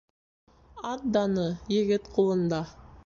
Ат даны егет ҡулында